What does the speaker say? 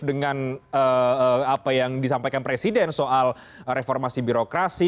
dengan apa yang disampaikan presiden soal reformasi birokrasi